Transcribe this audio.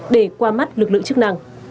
để qua mắt lực lượng chức năng